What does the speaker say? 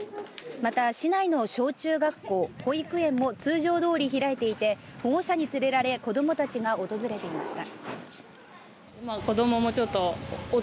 また、市内の小中学校保育園も通常どおり開いていて保護者に連れられ子どもたちが訪れていました。